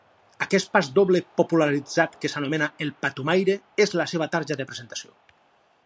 Aquest pasdoble popularitzat que s’anomena “El patumaire” és la seva tarja de presentació.